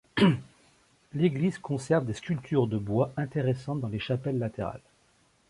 L'église conserve des sculptures de bois intéressantes dans les chapelles latérales.